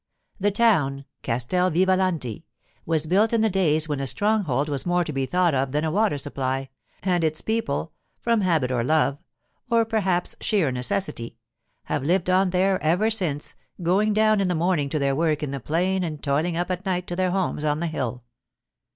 The town—Castel Vivalanti—was built in the days when a stronghold was more to be thought of than a water supply, and its people, from habit or love, or perhaps sheer necessity, have lived on there ever since, going down in the morning to their work in the plain and toiling up at night to their homes on the hill.